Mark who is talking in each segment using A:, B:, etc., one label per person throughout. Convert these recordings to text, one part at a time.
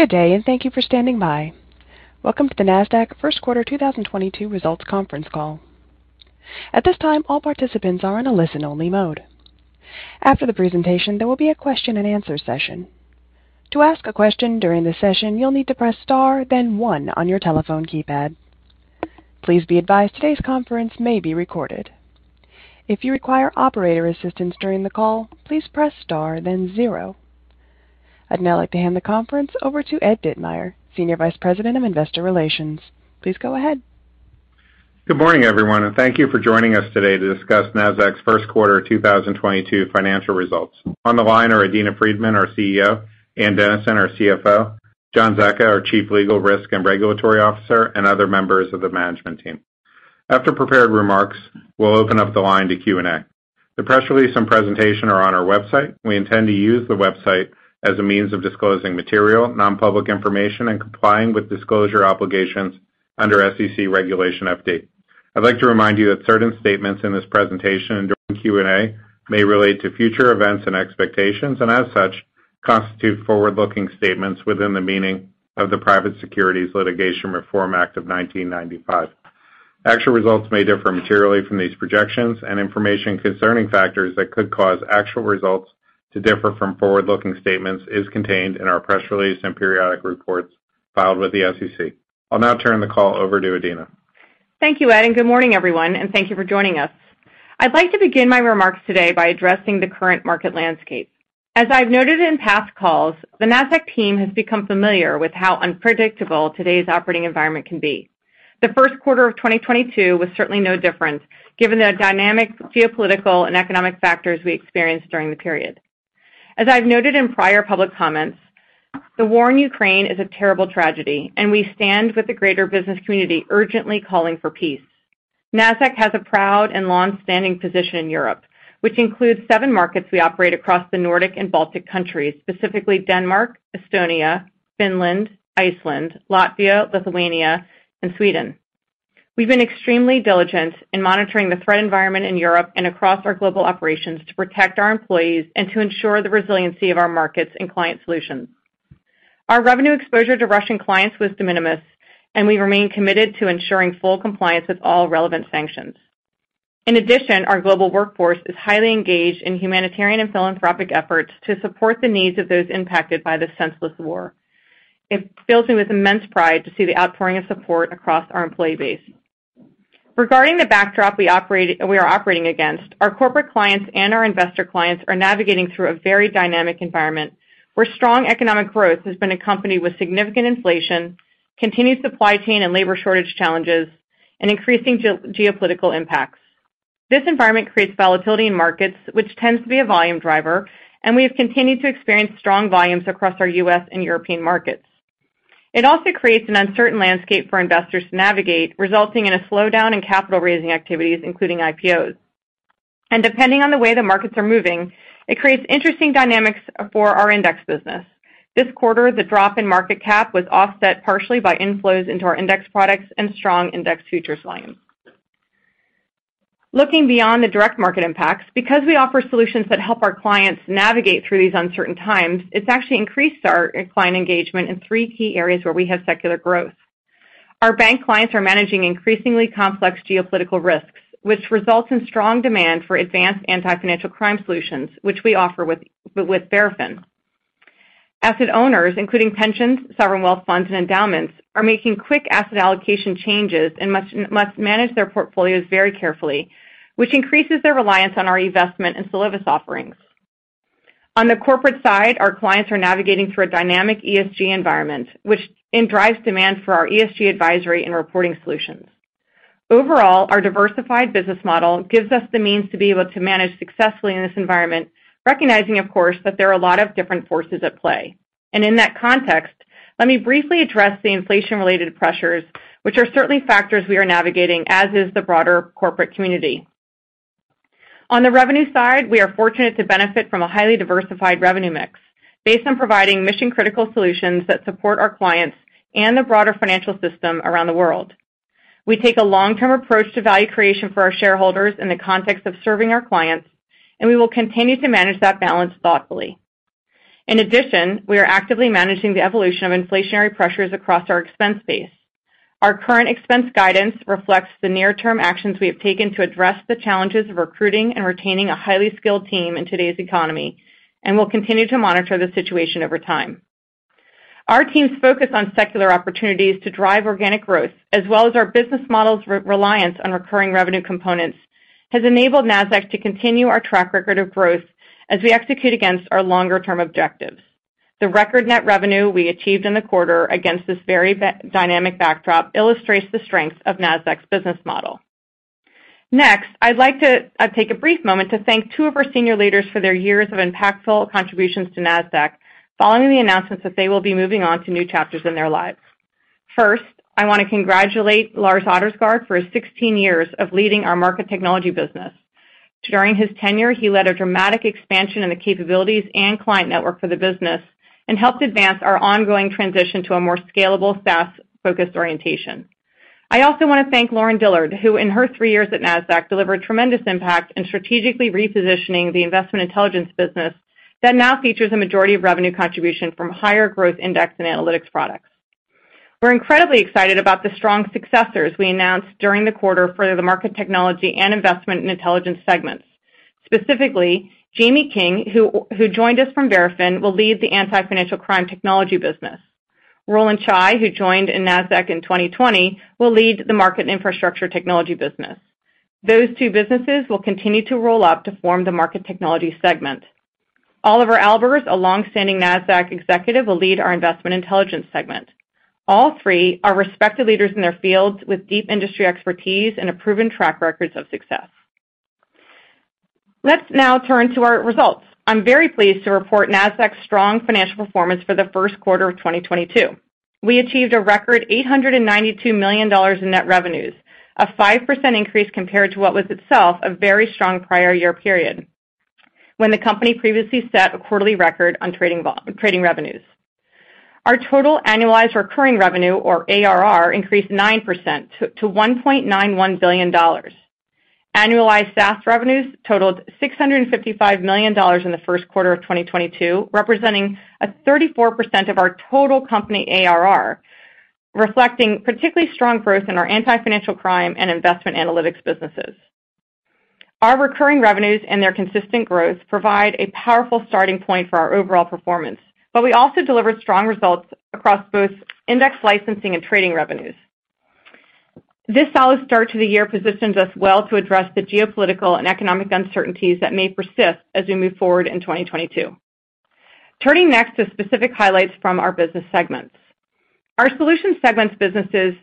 A: Good day, and thank you for standing by. Welcome to the Nasdaq first quarter 2022 results conference call. At this time, all participants are in a listen-only mode. After the presentation, there will be a question-and-answer session. To ask a question during the session, you'll need to press star, then one on your telephone keypad. Please be advised today's conference may be recorded. If you require operator assistance during the call, please press star, then zero. I'd now like to hand the conference over to Ed Ditmire, Senior Vice President of Investor Relations. Please go ahead.
B: Good morning, everyone, and thank you for joining us today to discuss Nasdaq's first quarter 2022 financial results. On the line are Adena Friedman, our CEO, Ann Dennison, our CFO, John Zecca, our Chief Legal, Risk, and Regulatory Officer, and other members of the management team. After prepared remarks, we'll open up the line to Q&A. The press release and presentation are on our website. We intend to use the website as a means of disclosing material, non-public information and complying with disclosure obligations under SEC Regulation FD. I'd like to remind you that certain statements in this presentation during Q&A may relate to future events and expectations and, as such, constitute forward-looking statements within the meaning of the Private Securities Litigation Reform Act of 1995. Actual results may differ materially from these projections, and information concerning factors that could cause actual results to differ from forward-looking statements is contained in our press release and periodic reports filed with the SEC. I'll now turn the call over to Adena.
C: Thank you, Ed, and good morning, everyone, and thank you for joining us. I'd like to begin my remarks today by addressing the current market landscape. As I've noted in past calls, the Nasdaq team has become familiar with how unpredictable today's operating environment can be. The first quarter of 2022 was certainly no different, given the dynamic geopolitical and economic factors we experienced during the period. As I've noted in prior public comments, the war in Ukraine is a terrible tragedy, and we stand with the greater business community urgently calling for peace. Nasdaq has a proud and long-standing position in Europe, which includes seven markets we operate across the Nordic and Baltic countries, specifically Denmark, Estonia, Finland, Iceland, Latvia, Lithuania, and Sweden. We've been extremely diligent in monitoring the threat environment in Europe and across our global operations to protect our employees and to ensure the resiliency of our markets and client solutions. Our revenue exposure to Russian clients was de minimis, and we remain committed to ensuring full compliance with all relevant sanctions. In addition, our global workforce is highly engaged in humanitarian and philanthropic efforts to support the needs of those impacted by this senseless war. It fills me with immense pride to see the outpouring of support across our employee base. Regarding the backdrop we are operating against, our corporate clients and our investor clients are navigating through a very dynamic environment where strong economic growth has been accompanied with significant inflation, continued supply chain and labor shortage challenges, and increasing geopolitical impacts. This environment creates volatility in markets, which tends to be a volume driver, and we have continued to experience strong volumes across our U.S. and European markets. It also creates an uncertain landscape for investors to navigate, resulting in a slowdown in capital raising activities, including IPOs. Depending on the way the markets are moving, it creates interesting dynamics for our Index business. This quarter, the drop in market cap was offset partially by inflows into our index products and strong index futures volumes. Looking beyond the direct market impacts, because we offer solutions that help our clients navigate through these uncertain times, it's actually increased our client engagement in three key areas where we have secular growth. Our bank clients are managing increasingly complex geopolitical risks, which results in strong demand for advanced Anti-Financial Crime solutions, which we offer with Verafin. Asset owners, including pensions, sovereign wealth funds, and endowments, are making quick asset allocation changes and must manage their portfolios very carefully, which increases their reliance on our investment in Solovis offerings. On the corporate side, our clients are navigating through a dynamic ESG environment, which drives demand for our ESG advisory and reporting solutions. Overall, our diversified business model gives us the means to be able to manage successfully in this environment, recognizing, of course, that there are a lot of different forces at play. In that context, let me briefly address the inflation-related pressures, which are certainly factors we are navigating, as is the broader corporate community. On the revenue side, we are fortunate to benefit from a highly diversified revenue mix based on providing mission-critical solutions that support our clients and the broader financial system around the world. We take a long-term approach to value creation for our shareholders in the context of serving our clients, and we will continue to manage that balance thoughtfully. In addition, we are actively managing the evolution of inflationary pressures across our expense base. Our current expense guidance reflects the near-term actions we have taken to address the challenges of recruiting and retaining a highly skilled team in today's economy and will continue to monitor the situation over time. Our team's focus on secular opportunities to drive organic growth, as well as our business model's reliance on recurring revenue components, has enabled Nasdaq to continue our track record of growth as we execute against our longer-term objectives. The record net revenue we achieved in the quarter against this very dynamic backdrop illustrates the strength of Nasdaq's business model. Next, I'd like to take a brief moment to thank two of our senior leaders for their years of impactful contributions to Nasdaq following the announcements that they will be moving on to new chapters in their lives. First, I want to congratulate Lars Ottersgård for his 16 years of leading our Market Technology business. During his tenure, he led a dramatic expansion in the capabilities and client network for the business and helped advance our ongoing transition to a more scalable, SaaS-focused orientation. I also want to thank Lauren Dillard, who in her three years at Nasdaq, delivered tremendous impact in strategically repositioning the Investment Intelligence business that now features a majority of revenue contribution from higher growth Index and Analytics products. We're incredibly excited about the strong successors we announced during the quarter for the Market Technology and Investment Intelligence segments. Specifically, Jamie King, who joined us from Verafin, will lead the Anti-Financial Crime Technology business. Roland Chai, who joined Nasdaq in 2020, will lead the Market Infrastructure Technology business. Those two businesses will continue to roll up to form the Market Technology segment. Oliver Albers, a long-standing Nasdaq executive, will lead our Investment Intelligence segment. All three are respected leaders in their fields with deep industry expertise and a proven track records of success. Let's now turn to our results. I'm very pleased to report Nasdaq's strong financial performance for the first quarter of 2022. We achieved a record $892 million in net revenues, a 5% increase compared to what was itself a very strong prior year period when the company previously set a quarterly record on trading revenues. Our total annualized recurring revenue, or ARR, increased 9% to $1.91 billion. Annualized SaaS revenues totaled $655 million in the first quarter of 2022, representing 34% of our total company ARR, reflecting particularly strong growth in our Anti-Financial Crime and Investment Analytics businesses. Our recurring revenues and their consistent growth provide a powerful starting point for our overall performance. We also delivered strong results across both index licensing and trading revenues. This solid start to the year positions us well to address the geopolitical and economic uncertainties that may persist as we move forward in 2022. Turning next to specific highlights from our business segments. Our Solution Segments businesses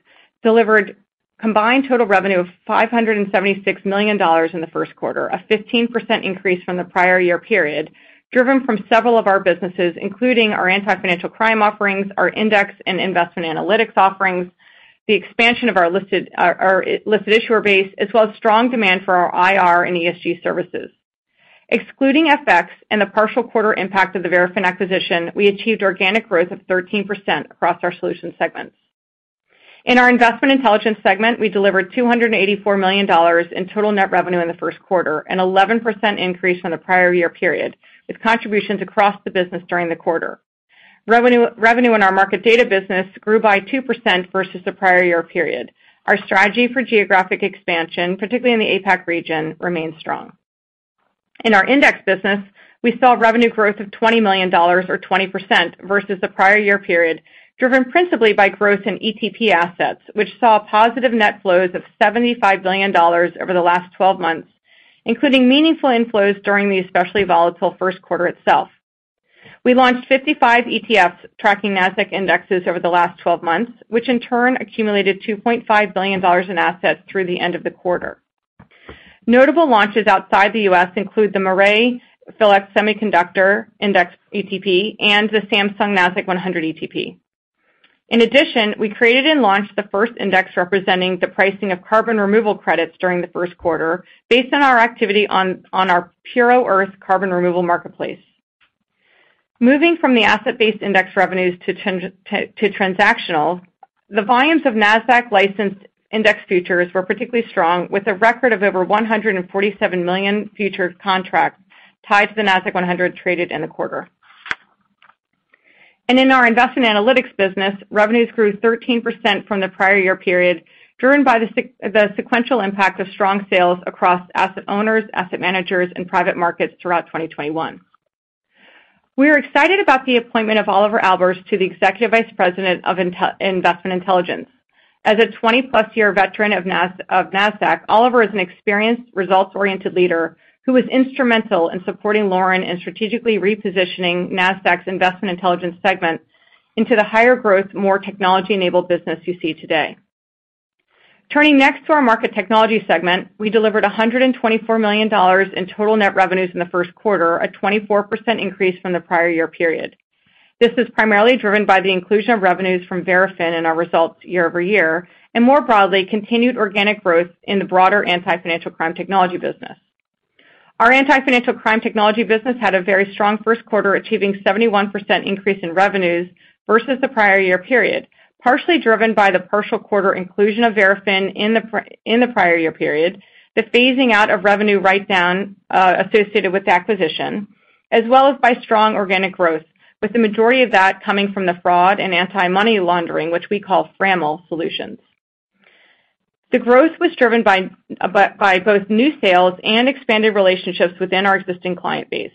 C: delivered combined total revenue of $576 million in the first quarter, a 15% increase from the prior year period, driven from several of our businesses, including our Anti-Financial Crime offerings, our index and Investment Analytics offerings, the expansion of our listed issuer base, as well as strong demand for our IR and ESG services. Excluding FX and the partial quarter impact of the Verafin acquisition, we achieved organic growth of 13% across our Solution Segments. In our Investment Intelligence segment, we delivered $284 million in total net revenue in the first quarter, an 11% increase from the prior year period, with contributions across the business during the quarter. Revenue in our Market Data business grew by 2% versus the prior year period. Our strategy for geographic expansion, particularly in the APAC region, remains strong. In our Index business, we saw revenue growth of $20 million or 20% versus the prior year period, driven principally by growth in ETP assets, which saw positive net flows of $75 billion over the last 12 months, including meaningful inflows during the especially volatile first quarter itself. We launched 55 ETFs tracking Nasdaq indexes over the last 12 months, which in turn accumulated $2.5 billion in assets through the end of the quarter. Notable launches outside the U.S. include the Mirae PHLX Semiconductor Index ETP and the Samsung Nasdaq-100 ETP. In addition, we created and launched the first index representing the pricing of carbon removal credits during the first quarter based on our activity on our Puro.earth carbon removal marketplace. Moving from the asset-based index revenues to transactional, the volumes of Nasdaq-licensed index futures were particularly strong with a record of over 147 million future contracts tied to the Nasdaq-100 traded in the quarter. In our Investment Analytics business, revenues grew 13% from the prior year period, driven by the sequential impact of strong sales across asset owners, asset managers, and private markets throughout 2021. We are excited about the appointment of Oliver Albers to the Executive Vice President of Investment Intelligence. As a 20+ year veteran of Nasdaq, Oliver is an experienced, results-oriented leader who was instrumental in supporting Lauren in strategically repositioning Nasdaq's Investment Intelligence segment into the higher growth, more technology-enabled business you see today. Turning next to our Market Technology segment, we delivered $124 million in total net revenues in the first quarter, a 24% increase from the prior year period. This is primarily driven by the inclusion of revenues from Verafin in our results year over year, and more broadly, continued organic growth in the broader Anti-Financial Crime Technology business. Our Anti-Financial Crime Technology business had a very strong first quarter, achieving 71% increase in revenues versus the prior year period, partially driven by the partial quarter inclusion of Verafin in the prior year period, the phasing out of revenue write-down associated with the acquisition, as well as by strong organic growth, with the majority of that coming from the fraud and anti-money laundering, which we call FRAML Solutions. The growth was driven by both new sales and expanded relationships within our existing client base.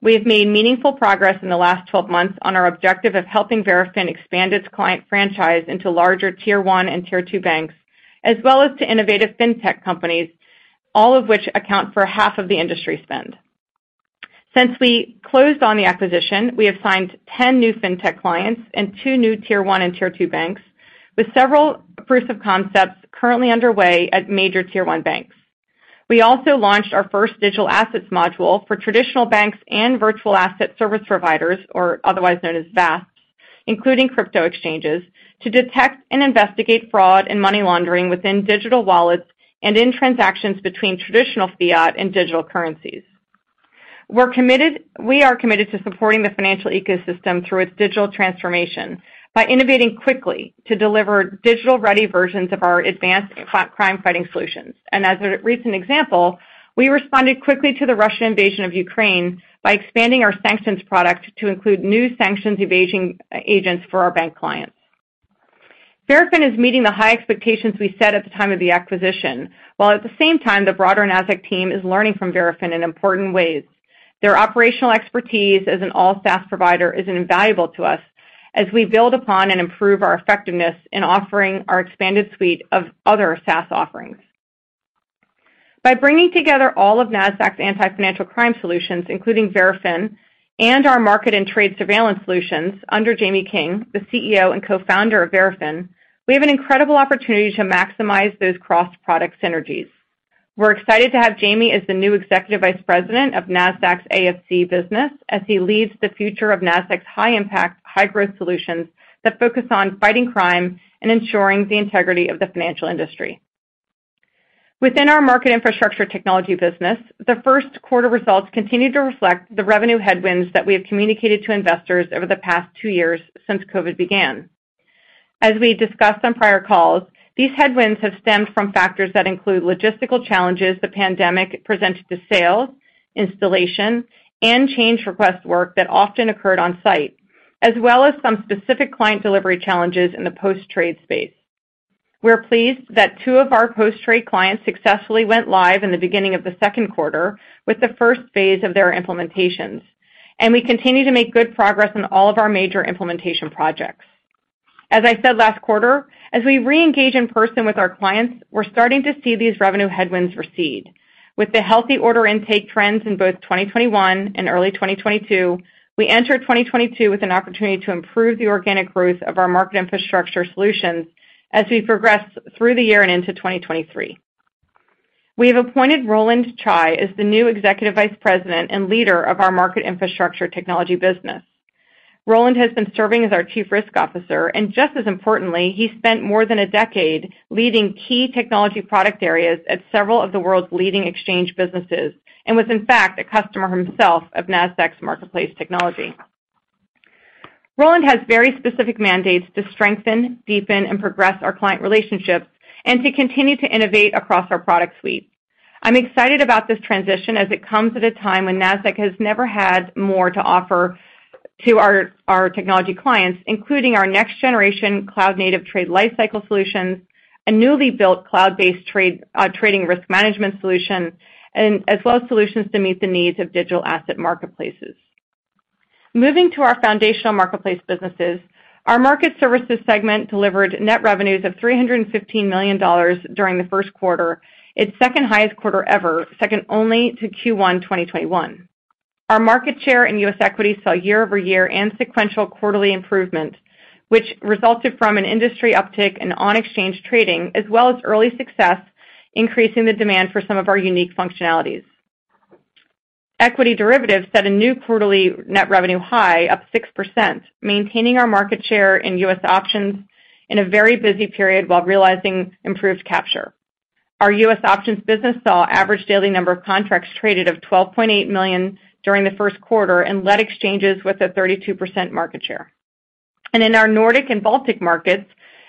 C: We have made meaningful progress in the last 12 months on our objective of helping Verafin expand its client franchise into larger Tier 1 and Tier 2 banks, as well as to innovative fintech companies, all of which account for half of the industry spend. Since we closed on the acquisition, we have signed 10 new fintech clients and two new Tier 1 and Tier 2 banks, with several proofs of concepts currently underway at major Tier 1 banks. We also launched our first digital assets module for traditional banks and virtual asset service providers, or otherwise known as VASP, including crypto exchanges, to detect and investigate fraud and money laundering within digital wallets and in transactions between traditional fiat and digital currencies. We are committed to supporting the financial ecosystem through its digital transformation by innovating quickly to deliver digital-ready versions of our advanced crime fighting solutions. As a recent example, we responded quickly to the Russian invasion of Ukraine by expanding our sanctions product to include new sanctions evasion agents for our bank clients. Verafin is meeting the high expectations we set at the time of the acquisition, while at the same time, the broader Nasdaq team is learning from Verafin in important ways. Their operational expertise as an all-SaaS provider is invaluable to us as we build upon and improve our effectiveness in offering our expanded suite of other SaaS offerings. By bringing together all of Nasdaq's Anti-Financial Crime solutions, including Verafin and our market and trade surveillance solutions under Jamie King, the CEO and Co-Founder of Verafin, we have an incredible opportunity to maximize those cross-product synergies. We're excited to have Jamie as the new Executive Vice President of Nasdaq's AFC business as he leads the future of Nasdaq's high-impact, high-growth solutions that focus on fighting crime and ensuring the integrity of the financial industry. Within our Market Infrastructure Technology business, the first quarter results continue to reflect the revenue headwinds that we have communicated to investors over the past two years since COVID began. As we discussed on prior calls, these headwinds have stemmed from factors that include logistical challenges the pandemic presented to sales, installation, and change request work that often occurred on site, as well as some specific client delivery challenges in the post-trade space. We're pleased that two of our post-trade clients successfully went live in the beginning of the second quarter with the first phase of their implementations, and we continue to make good progress on all of our major implementation projects. As I said last quarter, as we reengage in person with our clients, we're starting to see these revenue headwinds recede. With the healthy order intake trends in both 2021 and early 2022, we enter 2022 with an opportunity to improve the organic growth of our Market Infrastructure solutions as we progress through the year and into 2023. We have appointed Roland Chai as the new Executive Vice President and leader of our Market Infrastructure Technology business. Roland has been serving as our Chief Risk Officer, and just as importantly, he spent more than a decade leading key technology product areas at several of the world's leading exchange businesses and was, in fact, a customer himself of Nasdaq's marketplace technology. Roland has very specific mandates to strengthen, deepen, and progress our client relationships and to continue to innovate across our product suite. I'm excited about this transition as it comes at a time when Nasdaq has never had more to offer to our technology clients, including our next generation cloud native trade life cycle solutions, a newly built cloud-based trade trading risk management solution, and as well as solutions to meet the needs of digital asset marketplaces. Moving to our foundational marketplace businesses. Our Market Services segment delivered net revenues of $315 million during the first quarter, its second-highest quarter ever, second only to Q1 2021. Our market share in U.S. equities saw year-over-year and sequential quarterly improvement, which resulted from an industry uptick in on-exchange trading, as well as early success, increasing the demand for some of our unique functionalities. Equity derivatives set a new quarterly net revenue high up 6%, maintaining our market share in U.S. options in a very busy period while realizing improved capture. Our U.S. options business saw average daily number of contracts traded of 12.8 million during the first quarter and led exchanges with a 32% market share. In our Nordic and Baltic markets,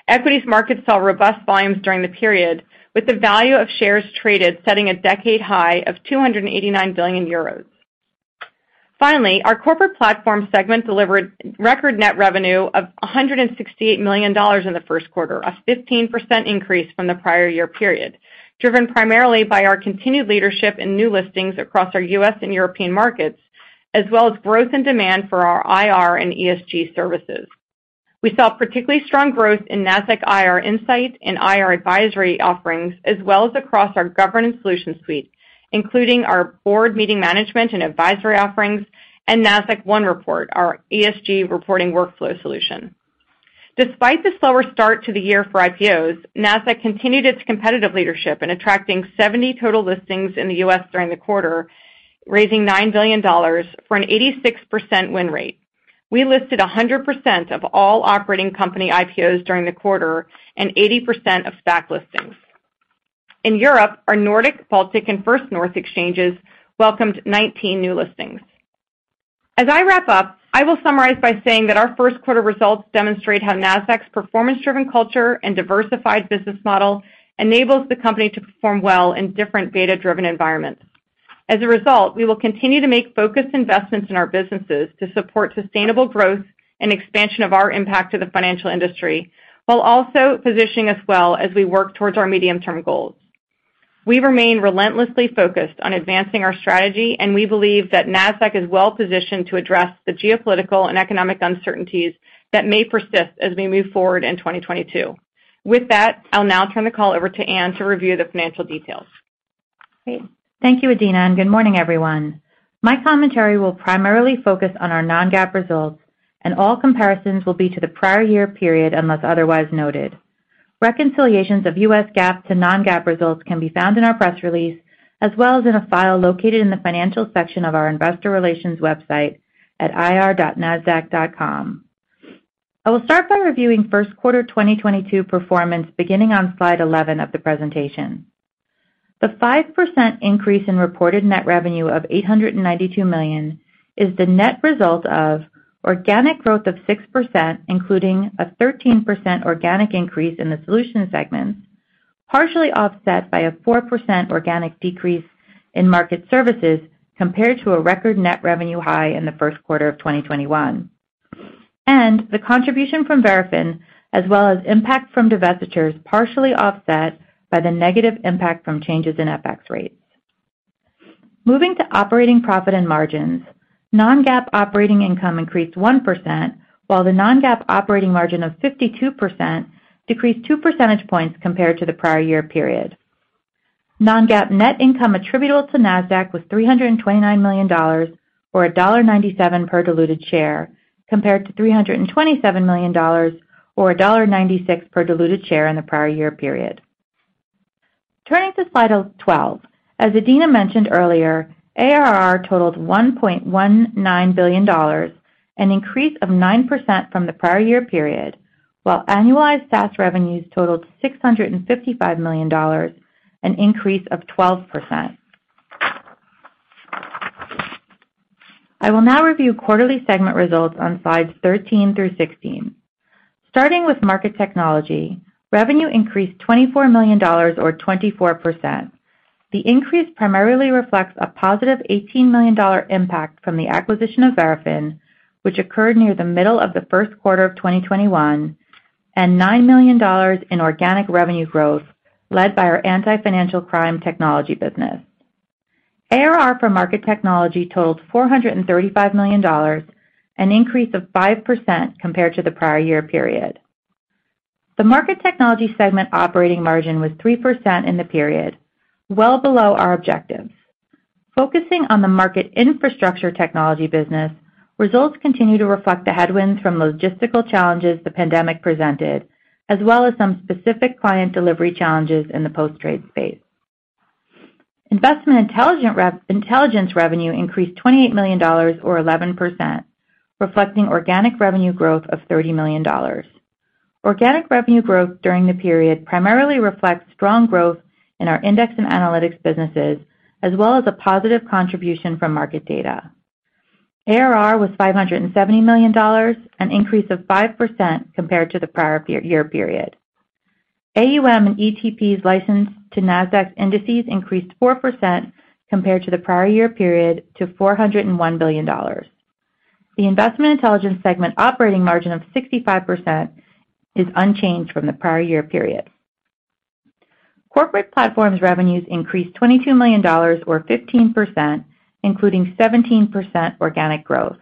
C: equities markets saw robust volumes during the period, with the value of shares traded setting a decade high of 289 billion euros. Finally, our Corporate Platform segment delivered record net revenue of $168 million in the first quarter, a 15% increase from the prior year period, driven primarily by our continued leadership in new listings across our U.S. and European markets, as well as growth in demand for our IR and ESG services. We saw particularly strong growth in Nasdaq IR Insight and IR Advisory offerings, as well as across our governance solution suite, including our board meeting management and advisory offerings and Nasdaq OneReport, our ESG reporting workflow solution. Despite the slower start to the year for IPOs, Nasdaq continued its competitive leadership in attracting 70 total listings in the U.S. during the quarter, raising $9 billion for an 86% win rate. We listed 100% of all operating company IPOs during the quarter and 80% of SPAC listings. In Europe, our Nordic, Baltic, and First North exchanges welcomed 19 new listings. As I wrap up, I will summarize by saying that our first quarter results demonstrate how Nasdaq's performance-driven culture and diversified business model enables the company to perform well in different data-driven environments. As a result, we will continue to make focused investments in our businesses to support sustainable growth and expansion of our impact to the financial industry, while also positioning us well as we work towards our medium-term goals. We remain relentlessly focused on advancing our strategy, and we believe that Nasdaq is well-positioned to address the geopolitical and economic uncertainties that may persist as we move forward in 2022. With that, I'll now turn the call over to Ann to review the financial details.
D: Great. Thank you, Adena, and good morning, everyone. My commentary will primarily focus on our non-GAAP results, and all comparisons will be to the prior year period, unless otherwise noted. Reconciliations of U.S. GAAP to non-GAAP results can be found in our press release, as well as in a file located in the Financial section of our Investor Relations website at ir.nasdaq.com. I will start by reviewing first quarter 2022 performance beginning on slide 11 of the presentation. The 5% increase in reported net revenue of $892 million is the net result of organic growth of 6%, including a 13% organic increase in the Solution segment, partially offset by a 4% organic decrease in market services compared to a record net revenue high in the first quarter of 2021. The contribution from Verafin, as well as impact from divestitures, partially offset by the negative impact from changes in FX rates. Moving to operating profit and margins. Non-GAAP operating income increased 1%, while the non-GAAP operating margin of 52% decreased two percentage points compared to the prior year period. Non-GAAP net income attributable to Nasdaq was $329 million or $1.97 per diluted share, compared to $327 million or $1.96 per diluted share in the prior year period. Turning to slide 12. As Adena mentioned earlier, ARR totaled $1.19 billion, an increase of 9% from the prior year period, while annualized SaaS revenues totaled $655 million, an increase of 12%. I will now review quarterly segment results on slides 13 through 16. Starting with Market Technology, revenue increased $24 million or 24%. The increase primarily reflects a positive $18 million impact from the acquisition of Verafin, which occurred near the middle of the first quarter of 2021 and $9 million in organic revenue growth led by our Anti-Financial Crime Technology business. ARR for Market Technology totaled $435 million, an increase of 5% compared to the prior year period. The Market Technology segment operating margin was 3% in the period, well below our objectives. Focusing on the Market Infrastructure Technology business, results continue to reflect the headwinds from logistical challenges the pandemic presented, as well as some specific client delivery challenges in the post-trade space. Investment Intelligence revenue increased $28 million or 11%, reflecting organic revenue growth of $30 million. Organic revenue growth during the period primarily reflects strong growth in our Index and Analytics businesses, as well as a positive contribution from market data. ARR was $570 million, an increase of 5% compared to the prior year period. AUM and ETPs licensed to Nasdaq's indices increased 4% compared to the prior year period to $401 billion. The Investment Intelligence segment operating margin of 65% is unchanged from the prior year period. Corporate Platforms revenues increased $22 million or 15%, including 17% organic growth.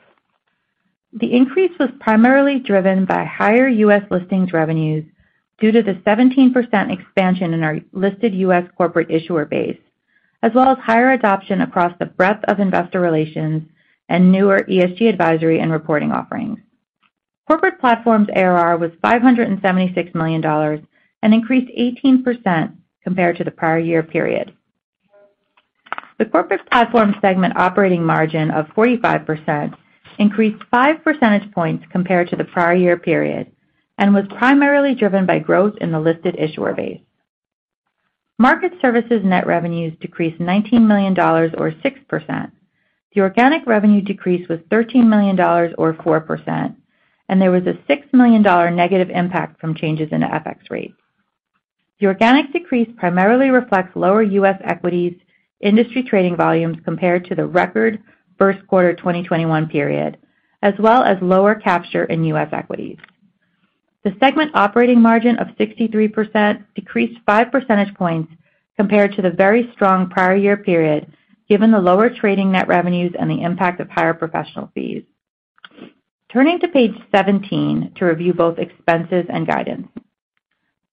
D: The increase was primarily driven by higher U.S. listings revenues due to the 17% expansion in our listed U.S. corporate issuer base, as well as higher adoption across the breadth of investor relations and newer ESG advisory and reporting offerings. Corporate Platforms ARR was $576 million, an increase of 18% compared to the prior year period. The Corporate Platforms segment operating margin of 45% increased 5 percentage points compared to the prior year period and was primarily driven by growth in the listed issuer base. Market Services net revenues decreased $19 million or 6%. The organic revenue decrease was $13 million or 4%, and there was a $6 million negative impact from changes in the FX rate. The organic decrease primarily reflects lower U.S. equities industry trading volumes compared to the record first quarter 2021 period as well as lower capture in U.S. equities. The segment operating margin of 63% decreased 5 percentage points compared to the very strong prior year period, given the lower trading net revenues and the impact of higher professional fees. Turning to page 17 to review both expenses and guidance.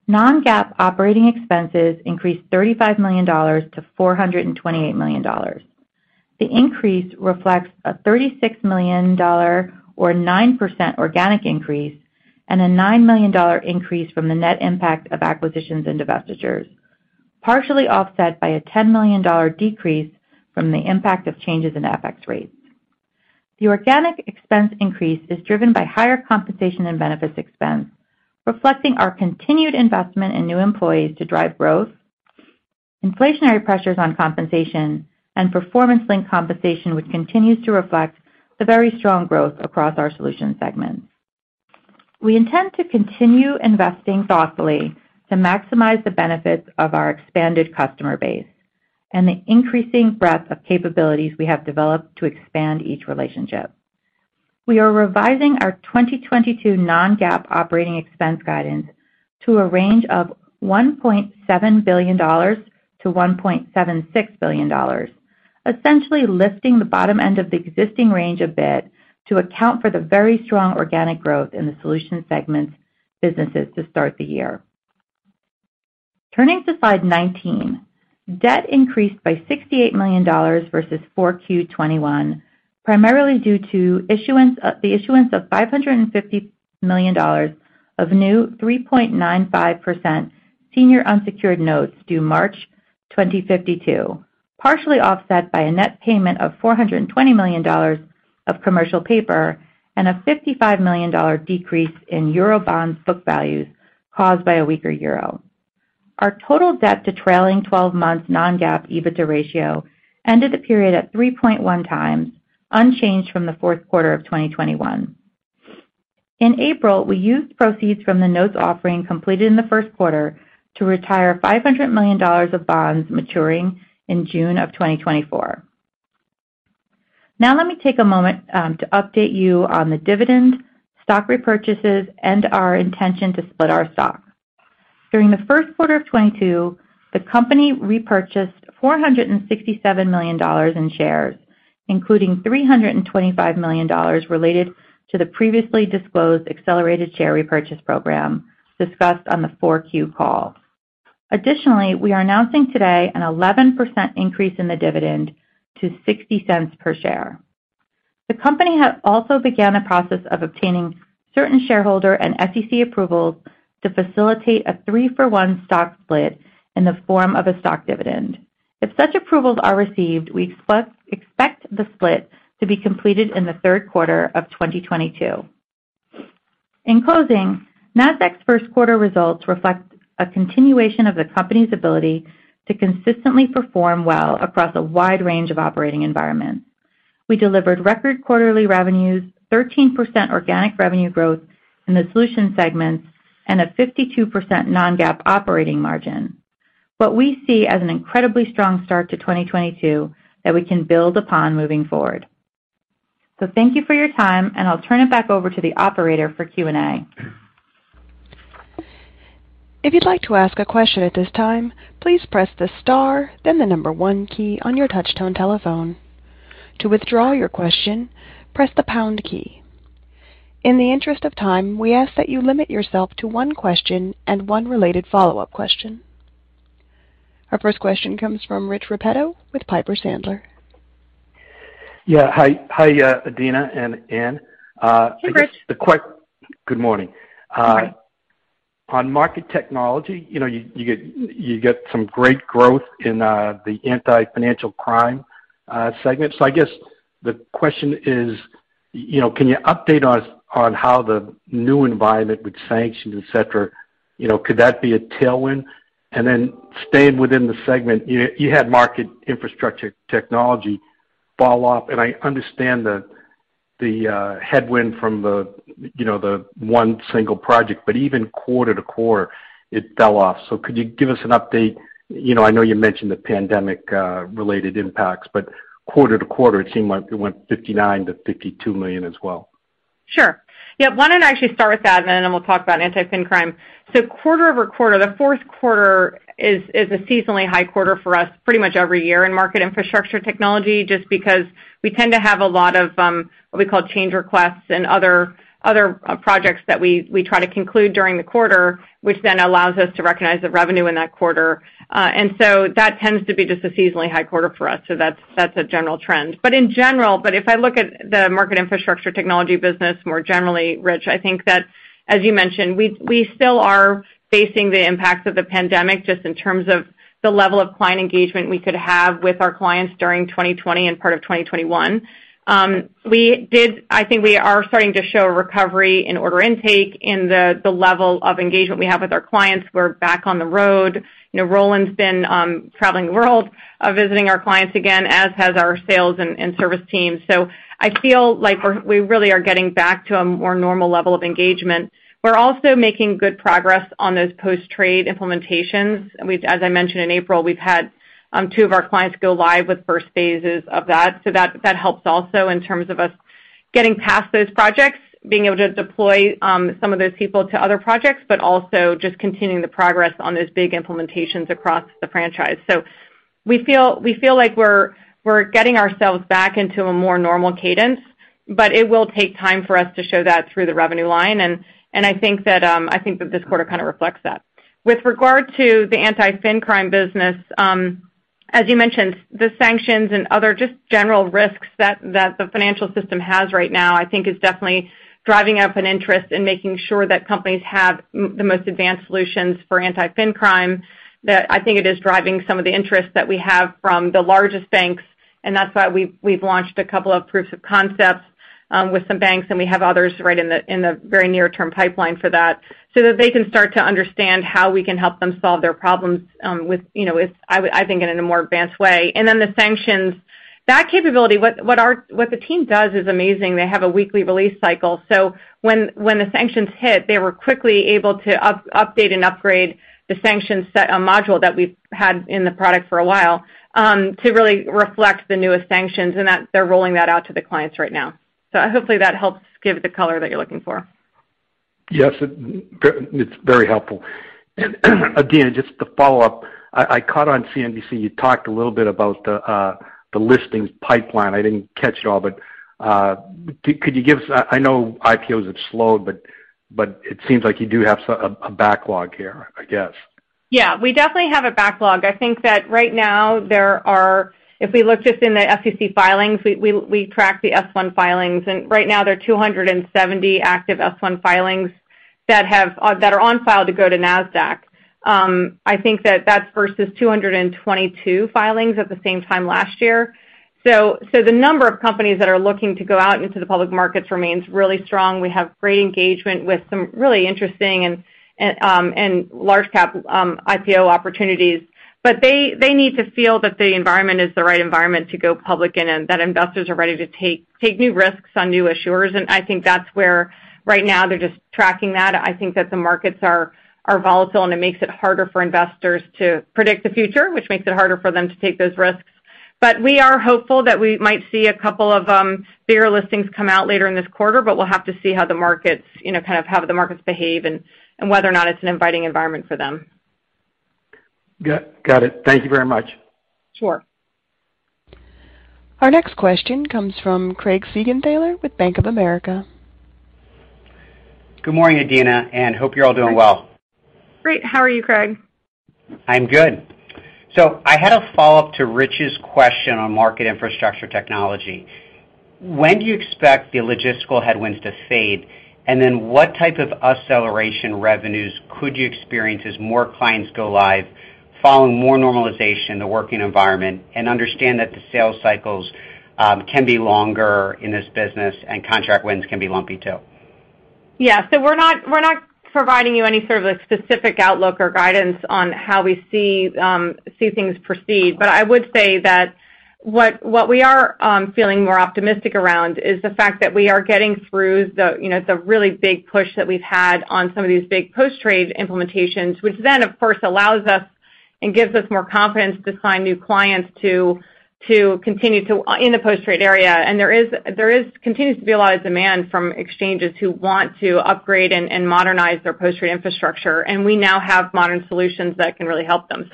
D: Non-GAAP operating expenses increased $35 million to $428 million. The increase reflects a $36 million or 9% organic increase and a $9 million increase from the net impact of acquisitions and divestitures, partially offset by a $10 million decrease from the impact of changes in FX rates. The organic expense increase is driven by higher compensation and benefits expense, reflecting our continued investment in new employees to drive growth, inflationary pressures on compensation, and performance-linked compensation, which continues to reflect the very strong growth across our Solutions segment. We intend to continue investing thoughtfully to maximize the benefits of our expanded customer base and the increasing breadth of capabilities we have developed to expand each relationship. We are revising our 2022 non-GAAP operating expense guidance to a range of $1.7 billion-$1.76 billion, essentially lifting the bottom end of the existing range a bit to account for the very strong organic growth in the Solutions segment businesses to start the year. Turning to slide 19. Debt increased by $68 million versus 4Q 2021, primarily due to the issuance of $550 million of new 3.95% senior unsecured notes due March 2052, partially offset by a net payment of $420 million of commercial paper and a $55 million decrease in Eurobond book values caused by a weaker euro. Our total debt to trailing 12 months non-GAAP EBITDA ratio ended the period at 3.1x, unchanged from the fourth quarter of 2021. In April, we used proceeds from the notes offering completed in the first quarter to retire $500 million of bonds maturing in June of 2024. Now, let me take a moment to update you on the dividend, stock repurchases, and our intention to split our stock. During the first quarter of 2022, the company repurchased $467 million in shares, including $325 million related to the previously disclosed accelerated share repurchase program discussed on the 4Q call.
C: Additionally, we are announcing today an 11% increase in the dividend to $0.60 per share. The company has also begun a process of obtaining certain shareholder and SEC approvals to facilitate a 3-for-1 stock split in the form of a stock dividend. If such approvals are received, we expect the split to be completed in the third quarter of 2022. In closing, Nasdaq's first quarter results reflect a continuation of the company's ability to consistently perform well across a wide range of operating environments. We delivered record quarterly revenues, 13% organic revenue growth in the Solution Segments, and a 52% non-GAAP operating margin. What we see as an incredibly strong start to 2022 that we can build upon moving forward. Thank you for your time, and I'll turn it back over to the operator for Q&A.
A: Our first question comes from Rich Repetto with Piper Sandler.
E: Yeah. Hi, Adena and Ann.
C: Hey, Rich.
E: Good morning.
D: Good morning.
E: On Market Technology, you know, you get some great growth in the Anti-Financial Crime segment. I guess the question is, you know, can you update us on how the new environment with sanctions, et cetera, you know, could that be a tailwind? Staying within the segment, you had Market Infrastructure Technology fall off, and I understand the headwind from the one single project, but even quarter-to-quarter it fell off. Could you give us an update? You know, I know you mentioned the pandemic related impacts, but quarter-to-quarter it seemed like it went $59 million-$52 million as well.
C: Sure. Yeah. Why don't I actually start with that, and then we'll talk about Anti-Fin Crime. Quarter over quarter, the fourth quarter is a seasonally high quarter for us pretty much every year in Market Infrastructure Technology, just because we tend to have a lot of what we call change requests and other projects that we try to conclude during the quarter, which then allows us to recognize the revenue in that quarter. That tends to be just a seasonally high quarter for us. That's a general trend. In general, if I look at the Market Infrastructure Technology business more generally, Rich, I think that as you mentioned, we still are facing the impacts of the pandemic, just in terms of the level of client engagement we could have with our clients during 2020 and part of 2021. I think we are starting to show recovery in order intake, in the level of engagement we have with our clients. We're back on the road. You know, Roland's been traveling the world, visiting our clients again, as has our sales and service teams. I feel like we're really getting back to a more normal level of engagement. We're also making good progress on those post-trade implementations. As I mentioned in April, we've had two of our clients go live with first phases of that. That helps also in terms of us getting past those projects, being able to deploy some of those people to other projects, but also just continuing the progress on those big implementations across the franchise. We feel like we're getting ourselves back into a more normal cadence, but it will take time for us to show that through the revenue line, and I think that this quarter kind of reflects that. With regard to the Anti-Financial Crime business, as you mentioned, the sanctions and other just general risks that the financial system has right now, I think is definitely driving up an interest in making sure that companies have the most advanced solutions for Anti-Financial Crime. I think that it is driving some of the interest that we have from the largest banks, and that's why we've launched a couple of proofs of concepts with some banks, and we have others right in the very near-term pipeline for that, so that they can start to understand how we can help them solve their problems with, you know, with I think in a more advanced way. Then the sanctions, that capability, what our team does is amazing. They have a weekly release cycle. So when the sanctions hit, they were quickly able to update and upgrade the sanctions set, a module that we've had in the product for a while, to really reflect the newest sanctions, and that they're rolling that out to the clients right now. Hopefully, that helps give the color that you're looking for.
E: Yes, it's very helpful. Again, just to follow up, I caught on CNBC you talked a little bit about the listings pipeline. I didn't catch it all, but could you give us... I know IPOs have slowed, but it seems like you do have a backlog here, I guess.
C: Yeah, we definitely have a backlog. I think that right now there are, if we look just in the SEC filings, we track the S-1 filings, and right now there are 270 active S-1 filings that have that are on file to go to Nasdaq. I think that that's versus 222 filings at the same time last year. The number of companies that are looking to go out into the public markets remains really strong. We have great engagement with some really interesting and large cap IPO opportunities. But they need to feel that the environment is the right environment to go public and then that investors are ready to take new risks on new issuers. I think that's where right now they're just tracking that. I think that the markets are volatile, and it makes it harder for investors to predict the future, which makes it harder for them to take those risks. We are hopeful that we might see a couple of bigger listings come out later in this quarter, but we'll have to see how the markets, you know, kind of how the markets behave and whether or not it's an inviting environment for them.
E: Got it. Thank you very much.
C: Sure.
A: Our next question comes from Craig Siegenthaler with Bank of America.
F: Good morning, Adena, and I hope you're all doing well.
C: Great. How are you, Craig?
F: I'm good. I had a follow-up to Rich's question on Market Infrastructure Technology. When do you expect the logistical headwinds to fade? What type of acceleration revenues could you experience as more clients go live following more normalization in the working environment and understand that the sales cycles can be longer in this business and contract wins can be lumpy too?
C: Yeah. We're not providing you any sort of a specific outlook or guidance on how we see things proceed. I would say that what we are feeling more optimistic around is the fact that we are getting through the you know the really big push that we've had on some of these big post-trade implementations, which then of course allows us and gives us more confidence to sign new clients to continue to in the post-trade area. There continues to be a lot of demand from exchanges who want to upgrade and modernize their post-trade infrastructure, and we now have modern solutions that can really help them.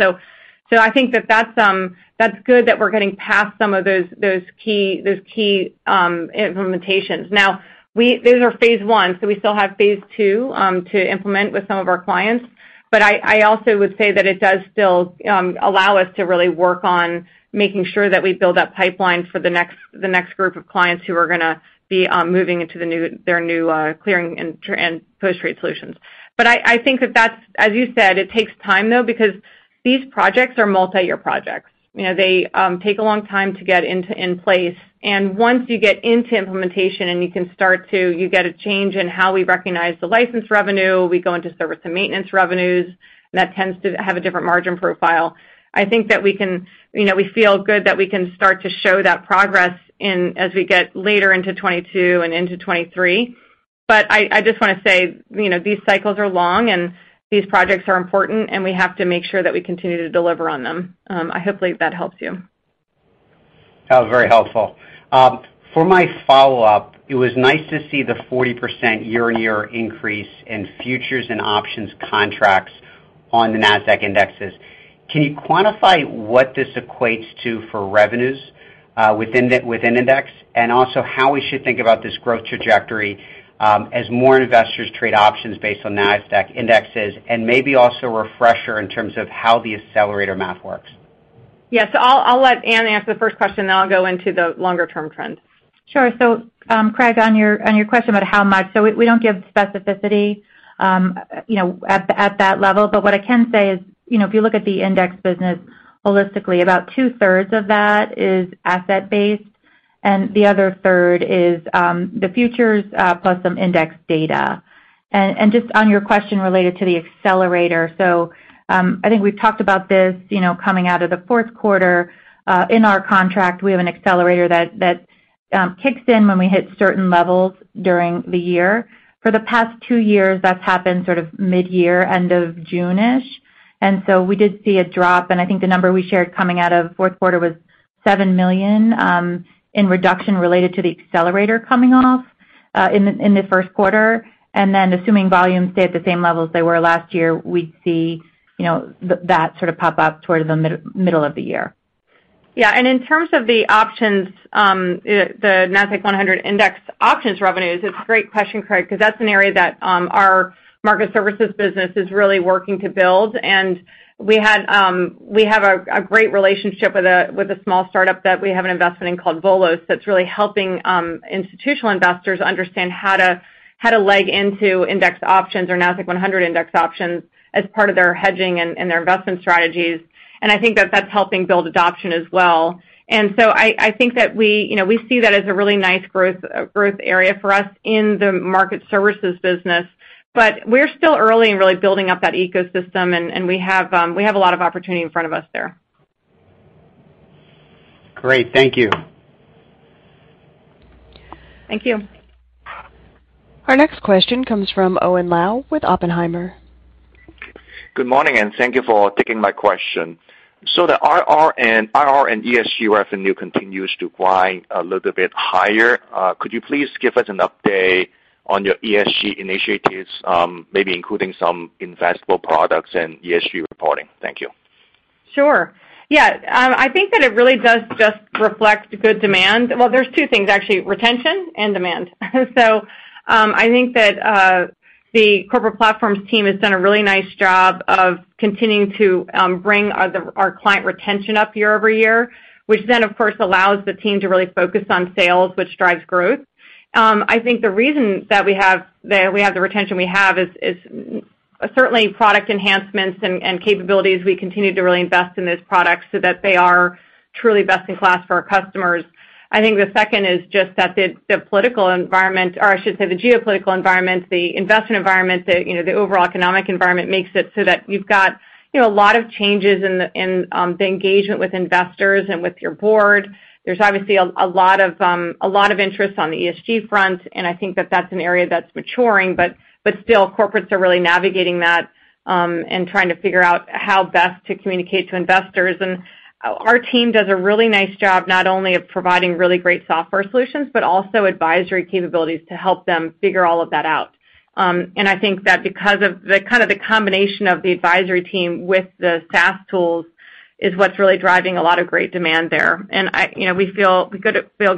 C: I think that that's good that we're getting past some of those key implementations. Now, those are phase one, so we still have phase two to implement with some of our clients. But I also would say that it does still allow us to really work on making sure that we build that pipeline for the next group of clients who are gonna be moving into the new clearing and post-trade solutions. But I think that that's. As you said, it takes time, though, because these projects are multi-year projects. You know, they take a long time to get in place. Once you get into implementation and you can start to. You get a change in how we recognize the license revenue, we go into service and maintenance revenues, and that tends to have a different margin profile. I think that we can. You know, we feel good that we can start to show that progress in as we get later into 2022 and into 2023. I just wanna say, you know, these cycles are long, and these projects are important, and we have to make sure that we continue to deliver on them. I hope that helps you.
F: That was very helpful. For my follow-up, it was nice to see the 40% year-on-year increase in futures and options contracts on the Nasdaq indexes. Can you quantify what this equates to for revenues within Index? How we should think about this growth trajectory as more investors trade options based on Nasdaq indexes? A refresher in terms of how the accelerator math works.
C: Yeah. I'll let Ann answer the first question, then I'll go into the longer-term trends.
D: Sure. Craig, on your question about how much, we don't give specificity, you know, at that level. But what I can say is, you know, if you look at the Index business holistically, about 2/3 of that is asset-based, and the other third is the futures, plus some Index data. Just on your question related to the accelerator, I think we've talked about this, you know, coming out of the fourth quarter. In our contract, we have an accelerator that kicks in when we hit certain levels during the year. For the past two years, that's happened sort of midyear, end of June-ish. We did see a drop, and I think the number we shared coming out of fourth quarter was $7 million in reduction related to the accelerator coming off in the first quarter. Then assuming volumes stay at the same level as they were last year, we'd see, you know, that sort of pop up toward the middle of the year.
C: Yeah. In terms of the options, the Nasdaq-100 Index options revenues, it's a great question, Craig, 'cause that's an area that our Market Services business is really working to build. We have a great relationship with a small startup that we have an investment in called Volos, that's really helping institutional investors understand how to leg into index options or Nasdaq-100 Index options as part of their hedging and their investment strategies. I think that that's helping build adoption as well. I think that we You know, we see that as a really nice growth area for us in the Market Services business. We're still early in really building up that ecosystem, and we have a lot of opportunity in front of us there.
F: Great. Thank you.
C: Thank you.
A: Our next question comes from Owen Lau with Oppenheimer.
G: Good morning, and thank you for taking my question. IR and ESG revenue continues to climb a little bit higher. Could you please give us an update on your ESG initiatives, maybe including some investable products and ESG reporting? Thank you.
C: Sure. Yeah. I think that it really does just reflect good demand. Well, there's two things actually, retention and demand. I think that the corporate platforms team has done a really nice job of continuing to bring our client retention up year over year, which then, of course, allows the team to really focus on sales, which drives growth. I think the reason that we have the retention we have is certainly product enhancements and capabilities. We continue to really invest in those products so that they are truly best in class for our customers. I think the second is just that the political environment or I should say the geopolitical environment, the investment environment, the, you know, the overall economic environment makes it so that you've got, you know, a lot of changes in the engagement with investors and with your board. There's obviously a lot of interest on the ESG front, and I think that that's an area that's maturing, but still corporates are really navigating that and trying to figure out how best to communicate to investors. Our team does a really nice job, not only of providing really great software solutions, but also advisory capabilities to help them figure all of that out. I think that because of the kind of the combination of the advisory team with the SaaS tools is what's really driving a lot of great demand there. You know, we feel good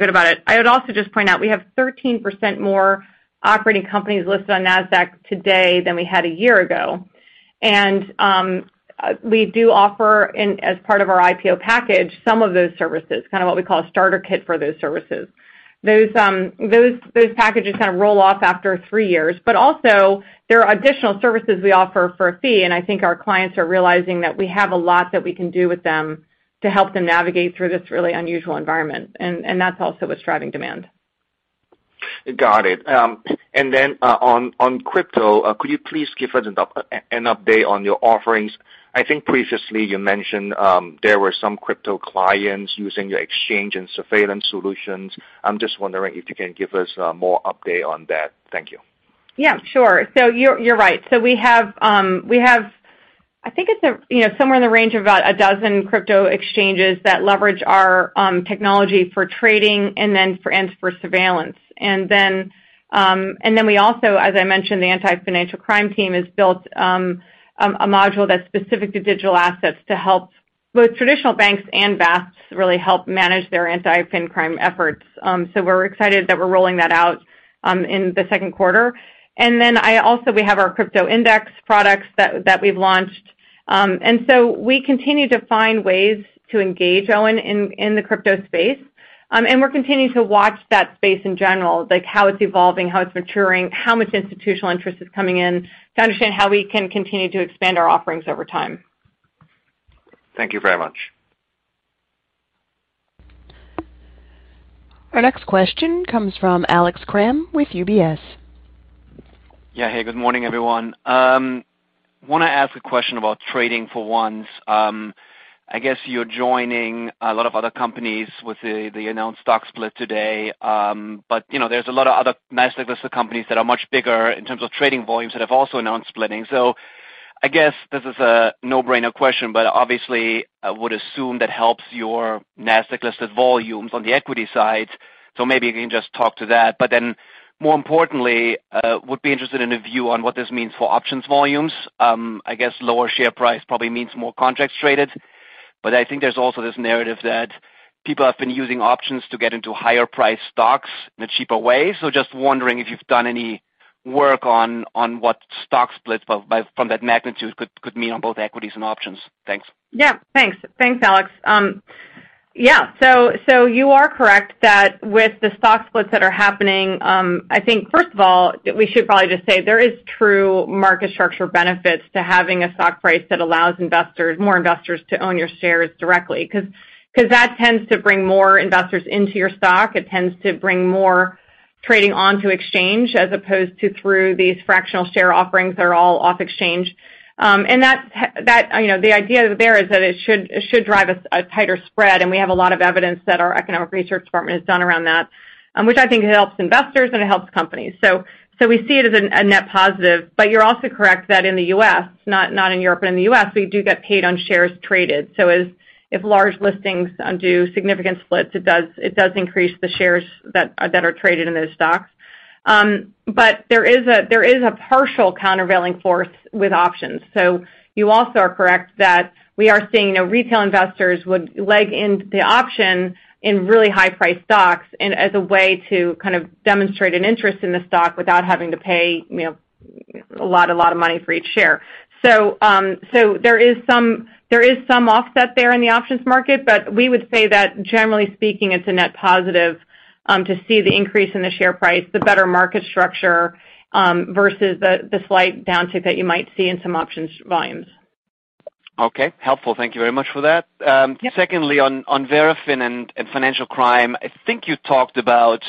C: about it. I would also just point out we have 13% more operating companies listed on Nasdaq today than we had a year ago. We do offer, as part of our IPO package, some of those services, kind of what we call a starter kit for those services. Those packages kind of roll off after three years, but also there are additional services we offer for a fee, and I think our clients are realizing that we have a lot that we can do with them to help them navigate through this really unusual environment. That's also what's driving demand.
G: Got it. On crypto, could you please give us an update on your offerings? I think previously you mentioned there were some crypto clients using your exchange and surveillance solutions. I'm just wondering if you can give us more update on that. Thank you.
C: Yeah, sure. You're right. We have, I think it's, you know, somewhere in the range of about 12 crypto exchanges that leverage our technology for trading and for surveillance. We also, as I mentioned, the Anti-Financial Crime team has built a module that's specific to digital assets to help both traditional banks and VASP really help manage their anti-fin crime efforts. We're excited that we're rolling that out in the second quarter. We also have our crypto index products that we've launched. We continue to find ways to engage, Owen, in the crypto space. We’re continuing to watch that space in general, like how it’s evolving, how it’s maturing, how much institutional interest is coming in to understand how we can continue to expand our offerings over time.
G: Thank you very much.
A: Our next question comes from Alex Kramm with UBS.
H: Yeah. Hey, good morning, everyone. Wanna ask a question about trading for once. I guess you're joining a lot of other companies with the announced stock split today. You know, there's a lot of other Nasdaq-listed companies that are much bigger in terms of trading volumes that have also announced splitting. I guess this is a no-brainer question, but obviously I would assume that helps your Nasdaq-listed volumes on the equity side. Maybe you can just talk to that. Then more importantly, would be interested in a view on what this means for options volumes. I guess lower share price probably means more contracts traded. I think there's also this narrative that people have been using options to get into higher priced stocks in a cheaper way. Just wondering if you've done any work on what stock splits from that magnitude could mean on both equities and options? Thanks.
C: Thanks, Alex. You are correct that with the stock splits that are happening, I think first of all, we should probably just say there is true market structure benefits to having a stock price that allows investors, more investors to own your shares directly. 'Cause that tends to bring more investors into your stock. It tends to bring more trading onto exchange as opposed to through these fractional share offerings that are all off exchange. That's, you know, the idea there is that it should drive a tighter spread, and we have a lot of evidence that our economic research department has done around that, which I think helps investors and it helps companies. We see it as a net positive. You're also correct that in the U.S., not in Europe, but in the U.S., we do get paid on shares traded. So if large listings undergo significant splits, it does increase the shares that are traded in those stocks. But there is a partial countervailing force with options. So you also are correct that we are seeing, you know, retail investors would leg into the options in really high-priced stocks and as a way to kind of demonstrate an interest in the stock without having to pay, you know, a lot of money for each share. There is some offset there in the options market, but we would say that generally speaking, it's a net positive to see the increase in the share price, the better market structure versus the slight downside that you might see in some options volumes.
H: Okay. Helpful. Thank you very much for that.
C: Yeah.
H: Secondly, on Verafin and financial crime, I think you talked about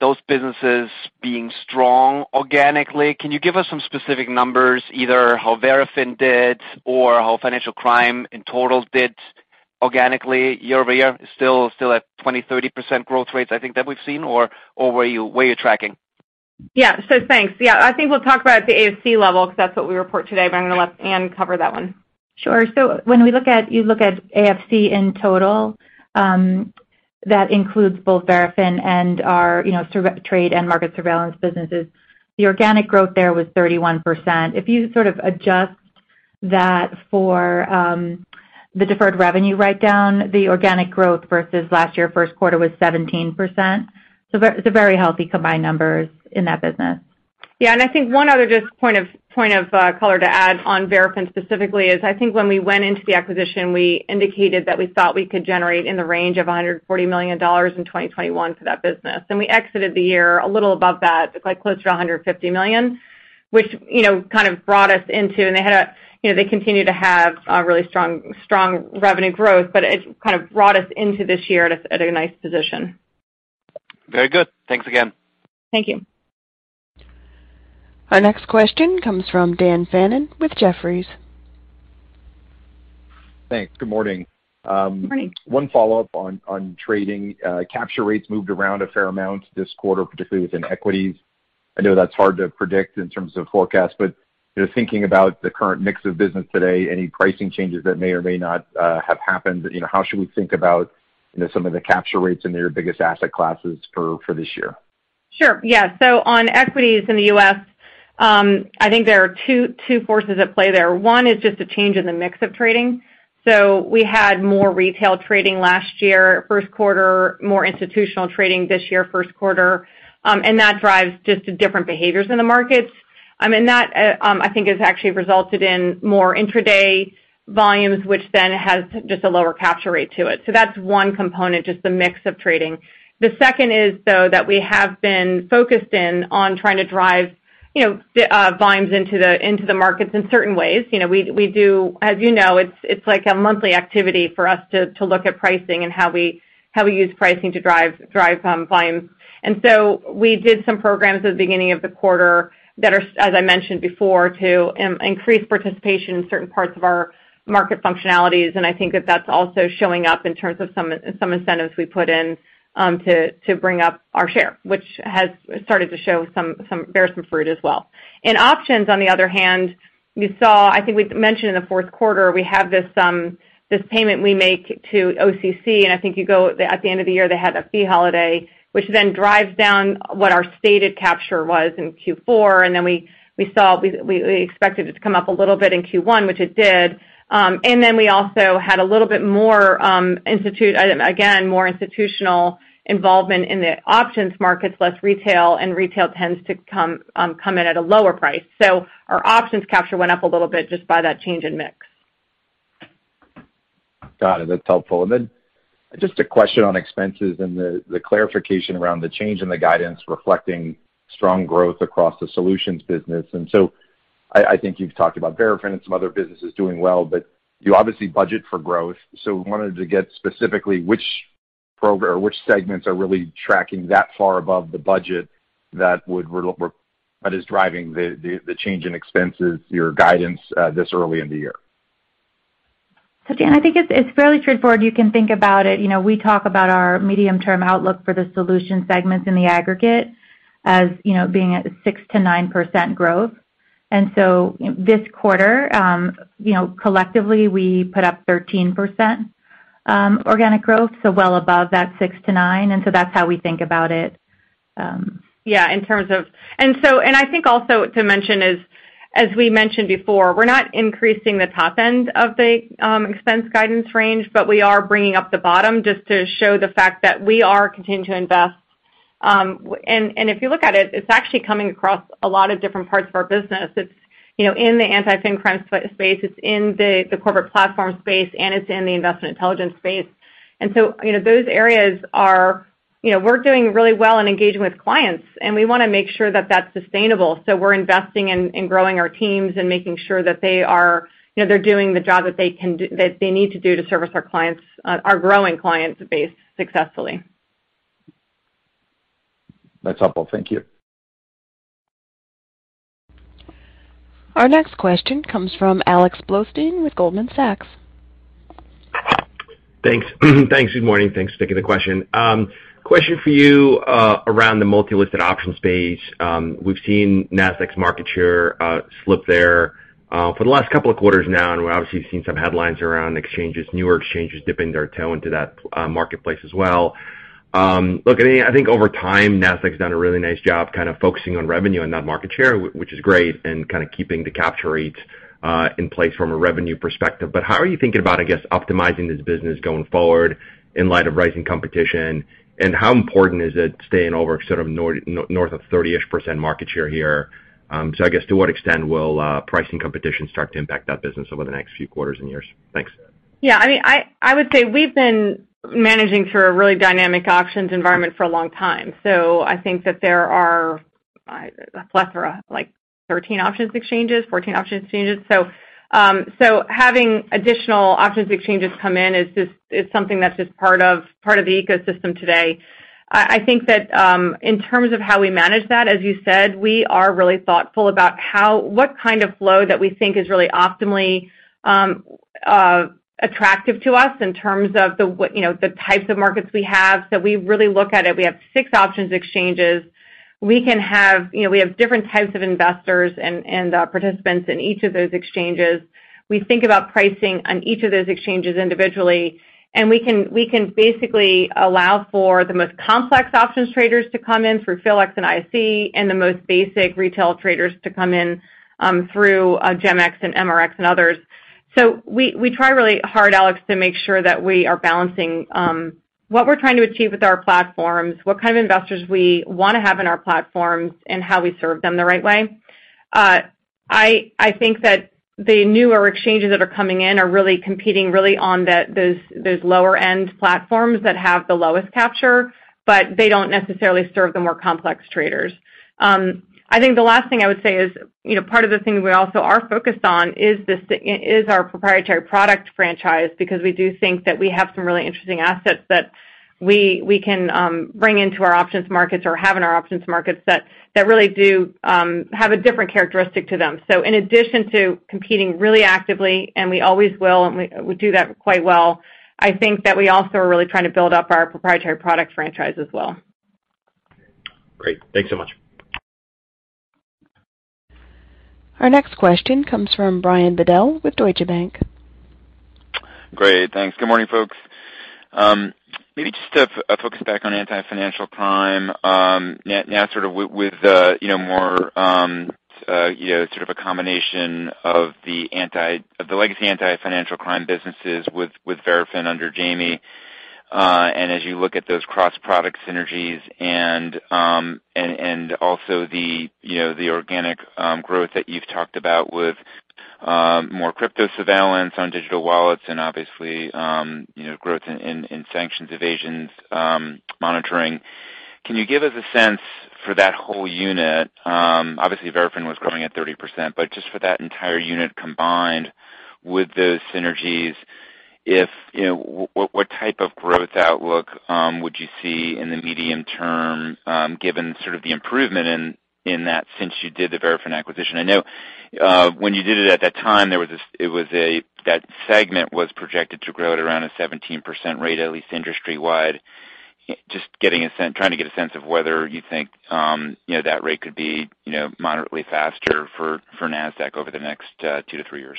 H: those businesses being strong organically. Can you give us some specific numbers, either how Verafin did or how financial crime in total did organically year-over-year? Still at 20%-30% growth rates I think that we've seen or where you're tracking?
C: Yeah. Thanks. Yeah, I think we'll talk about the AFC level 'cause that's what we report today, but I'm gonna let Ann cover that one.
D: Sure. When we look at AFC in total, that includes both Verafin and our Trade and Market Surveillance businesses. The organic growth there was 31%. If you sort of adjust that for the deferred revenue write-down, the organic growth versus last year first quarter was 17%. Very healthy combined numbers in that business.
C: Yeah. I think one other just point of color to add on Verafin specifically is I think when we went into the acquisition, we indicated that we thought we could generate in the range of $140 million in 2021 for that business. We exited the year a little above that, like close to $150 million, which, you know, kind of brought us into this year at a nice position. They continue to have really strong revenue growth, but it kind of brought us into this year at a nice position.
I: Very good. Thanks again.
C: Thank you.
A: Our next question comes from Daniel Fannon with Jefferies.
I: Thanks. Good morning.
C: Good morning.
I: One follow-up on trading. Capture rates moved around a fair amount this quarter, particularly within equities. I know that's hard to predict in terms of forecast, but you know, thinking about the current mix of business today, any pricing changes that may or may not have happened, you know, how should we think about you know, some of the capture rates in your biggest asset classes for this year?
C: Sure. Yeah. On equities in the U.S., I think there are two forces at play there. One is just a change in the mix of trading. We had more retail trading last year, first quarter, more institutional trading this year, first quarter, and that drives just different behaviors in the markets. I mean, that I think has actually resulted in more intraday volumes, which then has just a lower capture rate to it. That's one component, just the mix of trading. The second is, though, that we have been focused in on trying to drive, you know, the volumes into the markets in certain ways. You know, we do. As you know, it's like a monthly activity for us to look at pricing and how we use pricing to drive volumes. We did some programs at the beginning of the quarter that are, as I mentioned before, to increase participation in certain parts of our market functionalities. I think that that's also showing up in terms of some incentives we put in to bring up our share, which has started to bear some fruit as well. In options, on the other hand, we saw. I think we've mentioned in the fourth quarter, we have this payment we make to OCC, and I think you know, at the end of the year, they had a fee holiday, which then drives down what our stated capture was in Q4. We expected it to come up a little bit in Q1, which it did. We also had a little bit more, again, more institutional involvement in the options markets, less retail, and retail tends to come in at a lower price. Our options capture went up a little bit just by that change in mix.
I: Got it. That's helpful. Just a question on expenses and the clarification around the change in the guidance reflecting strong growth across the solutions business. I think you've talked about Verafin and some other businesses doing well, but you obviously budget for growth. Wanted to get specifically which program or which segments are really tracking that far above the budget that is driving the change in expenses, your guidance, this early in the year.
D: Dan, I think it's fairly straightforward. You can think about it, you know, we talk about our medium-term outlook for the Solution Segments in the aggregate as, you know, being at 6%-9% growth. This quarter, you know, collectively, we put up 13% organic growth, so well above that 6%-9%. That's how we think about it.
C: Yeah, in terms of I think also to mention is, as we mentioned before, we're not increasing the top end of the expense guidance range, but we are bringing up the bottom just to show the fact that we are continuing to invest. If you look at it's actually coming across a lot of different parts of our business. It's, you know, in the Anti-Financial Crime space, it's in the corporate platform space, and it's in the Investment Intelligence space. Those areas are, you know, we're doing really well in engaging with clients, and we wanna make sure that that's sustainable. We're investing in growing our teams and making sure that they are, you know, they're doing the job that they need to do to service our clients, our growing client base successfully.
I: That's helpful. Thank you.
A: Our next question comes from Alex Blostein with Goldman Sachs.
J: Thanks. Good morning. Thanks. Sticking to the question. Question for you around the multi-listed option space. We've seen Nasdaq's market share slip there for the last couple of quarters now, and we've obviously seen some headlines around exchanges, newer exchanges dipping their toe into that marketplace as well. Look, I mean, I think over time, Nasdaq's done a really nice job kind of focusing on revenue and not market share, which is great, and kind of keeping the capture rates in place from a revenue perspective. How are you thinking about, I guess, optimizing this business going forward in light of rising competition, and how important is it staying over sort of north of 30%-ish market share here? I guess to what extent will pricing competition start to impact that business over the next few quarters and years? Thanks.
C: Yeah, I mean, I would say we've been managing through a really dynamic options environment for a long time. I think that there are a plethora, like 13 options exchanges, 14 options exchanges. Having additional options exchanges come in is just something that's just part of the ecosystem today. I think that in terms of how we manage that, as you said, we are really thoughtful about how what kind of flow that we think is really optimally attractive to us in terms of what you know the types of markets we have. We really look at it. We have six options exchanges. We can have, you know, we have different types of investors and participants in each of those exchanges. We think about pricing on each of those exchanges individually, and we can basically allow for the most complex options traders to come in through PHLX and ISE and the most basic retail traders to come in through GEMX and MRX and others. We try really hard, Alex, to make sure that we are balancing what we're trying to achieve with our platforms, what kind of investors we wanna have in our platforms, and how we serve them the right way. I think that the newer exchanges that are coming in are really competing on those lower-end platforms that have the lowest capture, but they don't necessarily serve the more complex traders. I think the last thing I would say is, you know, part of the thing we also are focused on is our proprietary product franchise because we do think that we have some really interesting assets that we can bring into our options markets or have in our options markets that really do have a different characteristic to them. In addition to competing really actively, and we always will, and we do that quite well, I think that we also are really trying to build up our proprietary product franchise as well.
J: Great. Thanks so much.
A: Our next question comes from Brian Bedell with Deutsche Bank.
K: Great, thanks. Good morning, folks. Maybe just to focus back on Anti-Financial Crime, now sort of with you know more you know sort of a combination of the legacy Anti-Financial Crime businesses with Verafin under Jamie. As you look at those cross-product synergies and also the you know the organic growth that you've talked about with more crypto surveillance on digital wallets and obviously you know growth in sanctions evasions monitoring. Can you give us a sense for that whole unit? Obviously, Verafin was growing at 30%, but just for that entire unit combined, with those synergies, if you know what type of growth outlook would you see in the medium term, given sort of the improvement in that since you did the Verafin acquisition? I know when you did it at that time that segment was projected to grow at around a 17% rate, at least industry-wide. Just trying to get a sense of whether you think you know that rate could be you know moderately faster for Nasdaq over the next two to three years.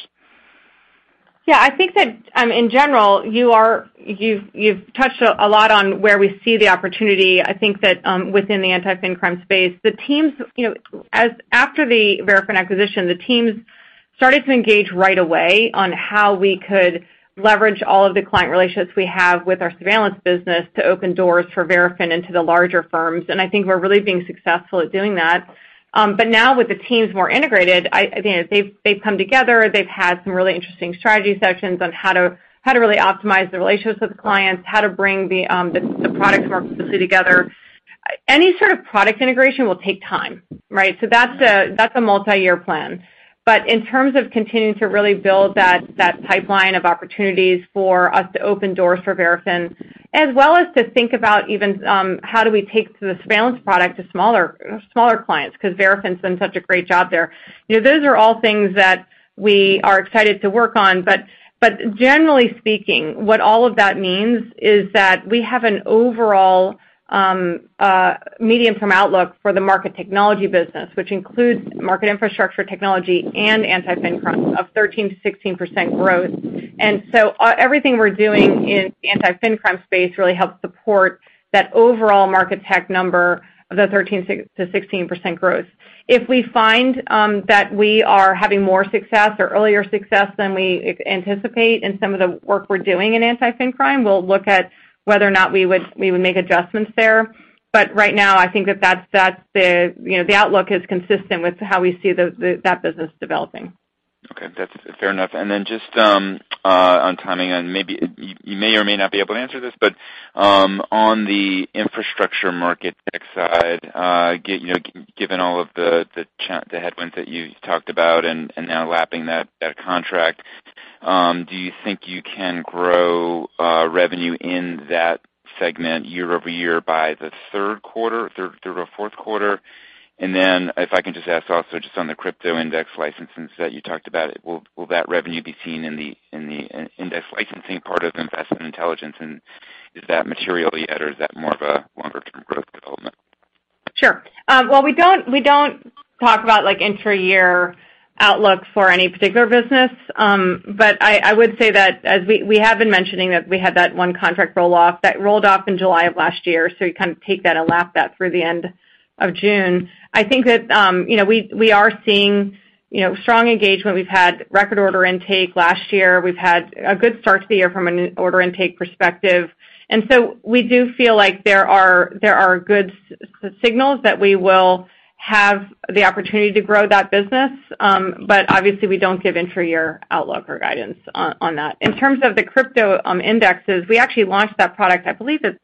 C: Yeah, I think that in general, you've touched a lot on where we see the opportunity. I think that within the Anti-Financial Crime space, the teams, you know, especially after the Verafin acquisition, the teams started to engage right away on how we could leverage all of the client relationships we have with our Surveillance business to open doors for Verafin into the larger firms. I think we're really being successful at doing that. Now with the teams more integrated, I think they've come together. They've had some really interesting strategy sessions on how to really optimize the relationships with clients, how to bring the product more closely together. Any sort of product integration will take time, right? That's a multi-year plan. In terms of continuing to really build that pipeline of opportunities for us to open doors for Verafin, as well as to think about even how do we take the surveillance product to smaller clients because Verafin's done such a great job there. You know, those are all things that we are excited to work on. Generally speaking, what all of that means is that we have an overall medium-term outlook for the Market Technology business, which includes Market Infrastructure Technology and Anti-Financial Crime of 13%-16% growth. Everything we're doing in Anti-Financial Crime space really helps support that overall market tech number of the 13%-16% growth. If we find that we are having more success or earlier success than we anticipate in some of the work we're doing in Anti-Financial Crime, we'll look at whether or not we would make adjustments there. But right now, I think that's the outlook, you know, is consistent with how we see that business developing.
K: Okay, that's fair enough. Just on timing, and maybe you may or may not be able to answer this, but on the Infrastructure Market Technology side, you know, given all of the headwinds that you talked about and now lapping that contract, do you think you can grow revenue in that segment year over year by the third quarter, third or fourth quarter? If I can just ask also just on the crypto index licenses that you talked about, will that revenue be seen in the index licensing part of Investment Intelligence? Is that materially yet, or is that more of a longer-term growth development?
C: Sure. Well, we don't talk about like intra-year outlook for any particular business. I would say that as we have been mentioning that we had that one contract roll off. That rolled off in July of last year, so you kind of take that and lap that through the end of June. I think that you know, we are seeing you know, strong engagement. We've had record order intake last year. We've had a good start to the year from an order intake perspective. We do feel like there are good signals that we will have the opportunity to grow that business. Obviously, we don't give intra-year outlook or guidance on that. In terms of the crypto indexes, we actually launched that product. I believe it's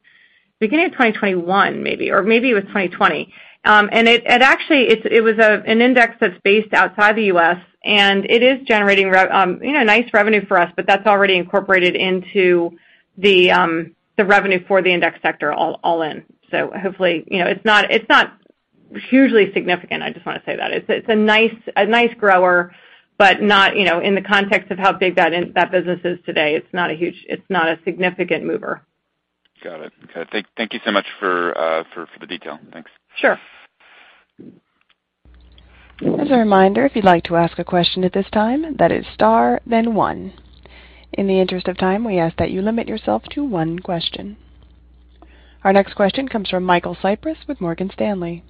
C: beginning of 2021 maybe, or maybe it was 2020. It actually was an index that's based outside the U.S., and it is generating nice revenue for us, but that's already incorporated into the revenue for the index sector all in. Hopefully, you know, it's not hugely significant. I just wanna say that. It's a nice grower, but not, you know, in the context of how big that business is today, it's not huge. It's not a significant mover.
K: Got it. Okay. Thank you so much for the detail. Thanks.
C: Sure.
A: As a reminder, if you'd like to ask a question at this time, that is star then one. In the interest of time, we ask that you limit yourself to one question. Our next question comes from Michael Cyprys with Morgan Stanley.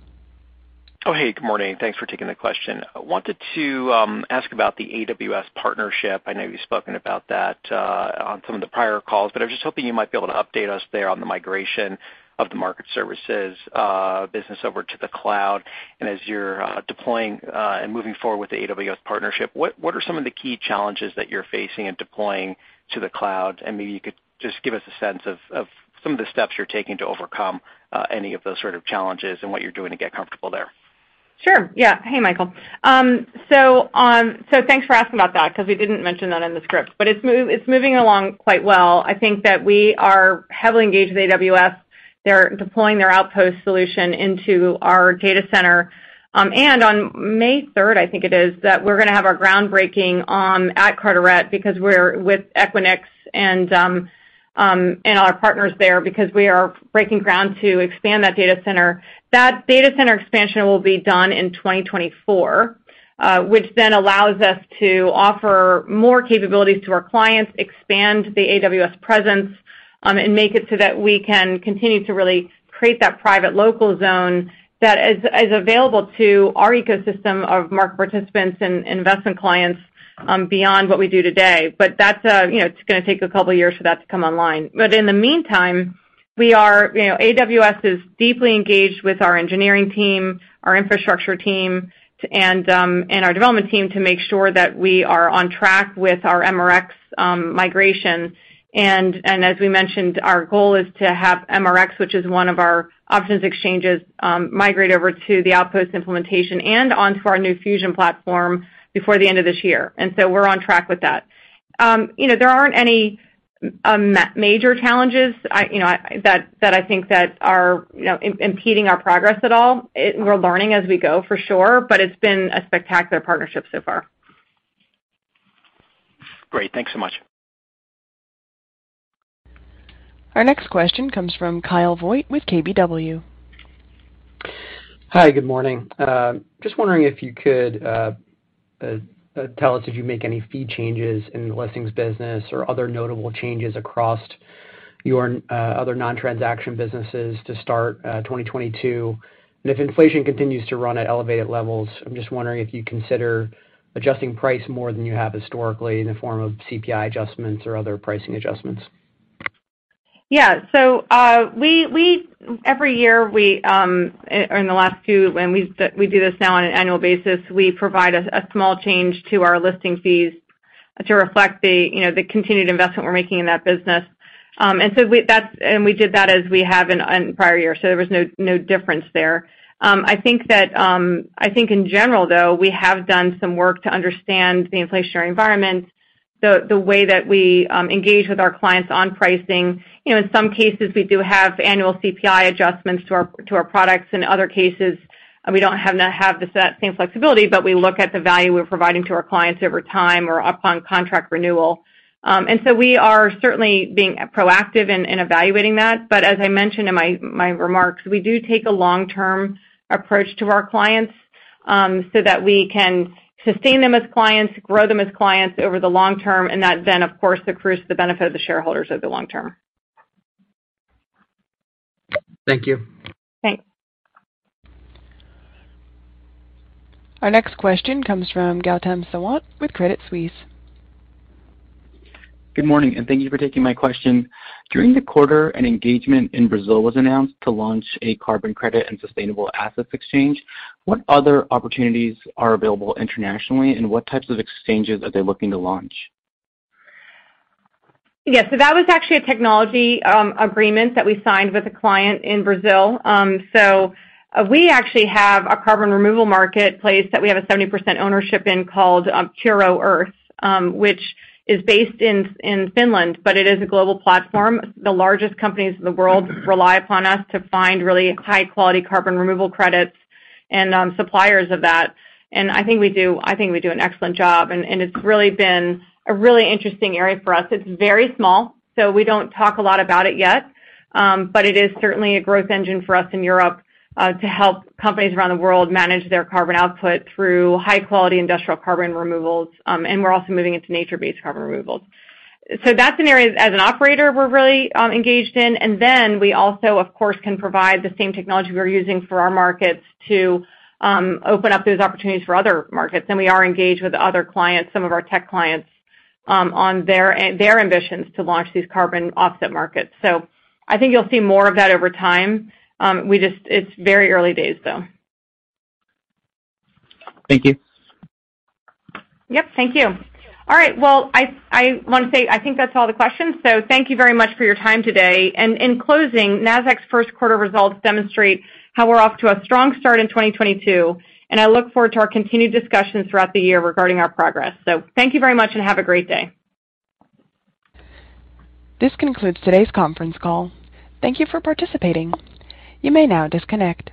L: Oh, hey. Good morning. Thanks for taking the question. I wanted to ask about the AWS partnership. I know you've spoken about that on some of the prior calls, but I was just hoping you might be able to update us there on the migration of the market services business over to the cloud. As you're deploying and moving forward with the AWS partnership, what are some of the key challenges that you're facing in deploying to the cloud? Maybe you could just give us a sense of some of the steps you're taking to overcome any of those sort of challenges and what you're doing to get comfortable there.
C: Sure. Yeah. Hey, Michael. So thanks for asking about that 'cause we didn't mention that in the script. It's moving along quite well. I think that we are heavily engaged with AWS. They're deploying their Outposts solution into our data center. On May 3rd, I think it is, we're gonna have our groundbreaking at Carteret because we're with Equinix and our partners there because we are breaking ground to expand that data center. That data center expansion will be done in 2024, which then allows us to offer more capabilities to our clients, expand the AWS presence, and make it so that we can continue to really create that private local zone that is available to our ecosystem of market participants and investment clients, beyond what we do today. That's, you know, it's gonna take a couple years for that to come online. In the meantime, we are, you know, AWS is deeply engaged with our engineering team, our infrastructure team and our development team to make sure that we are on track with our MRX migration. As we mentioned, our goal is to have MRX, which is one of our options exchanges, migrate over to the Outpost implementation and onto our new Fusion platform before the end of this year. We're on track with that. You know, there aren't any major challenges, you know, that I think are, you know, impeding our progress at all. We're learning as we go, for sure, but it's been a spectacular partnership so far.
L: Great. Thanks so much.
A: Our next question comes from Kyle Voigt with KBW.
M: Hi, good morning. Just wondering if you could tell us if you made any fee changes in the listings business or other notable changes across your other non-transaction businesses to start 2022. If inflation continues to run at elevated levels, I'm just wondering if you'd consider adjusting price more than you have historically in the form of CPI adjustments or other pricing adjustments.
C: We do this now on an annual basis. We provide a small change to our listing fees to reflect the continued investment we're making in that business. We did that as we have in prior years, so there was no difference there. I think in general, though, we have done some work to understand the inflationary environment, the way that we engage with our clients on pricing. You know, in some cases, we do have annual CPI adjustments to our products. In other cases, we don't have the same flexibility, but we look at the value we're providing to our clients over time or upon contract renewal. We are certainly being proactive in evaluating that. As I mentioned in my remarks, we do take a long-term approach to our clients, so that we can sustain them as clients, grow them as clients over the long term, and that then, of course, accrues to the benefit of the shareholders over the long term.
M: Thank you.
C: Thanks.
A: Our next question comes from Gautam Sawant with Credit Suisse.
N: Good morning, and thank you for taking my question. During the quarter, an engagement in Brazil was announced to launch a carbon credit and sustainable assets exchange. What other opportunities are available internationally, and what types of exchanges are they looking to launch?
C: Yeah. That was actually a technology agreement that we signed with a client in Brazil. We actually have a carbon removal marketplace that we have a 70% ownership in called Puro.earth, which is based in Finland, but it is a global platform. The largest companies in the world rely upon us to find really high-quality carbon removal credits and suppliers of that. I think we do an excellent job, and it's really been a really interesting area for us. It's very small, so we don't talk a lot about it yet. It is certainly a growth engine for us in Europe to help companies around the world manage their carbon output through high-quality industrial carbon removals, and we're also moving into nature-based carbon removals. That's an area as an operator we're really engaged in, and then we also of course can provide the same technology we're using for our markets to open up those opportunities for other markets. We are engaged with other clients, some of our tech clients, on their ambitions to launch these carbon offset markets. I think you'll see more of that over time. It's very early days, though.
N: Thank you.
C: Yep, thank you. All right, well, I want to say I think that's all the questions. Thank you very much for your time today. In closing, Nasdaq's first quarter results demonstrate how we're off to a strong start in 2022, and I look forward to our continued discussions throughout the year regarding our progress. Thank you very much, and have a great day.
A: This concludes today's conference call. Thank you for participating. You may now disconnect.